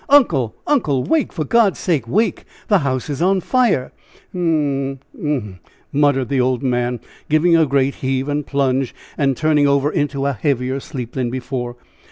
"Uncle! uncle! wake, for God's sake, wake! the house is on fire!" "Hum m m e!" muttered the old man, giving a great heave and plunge, and turning over into a heavier sleep than before.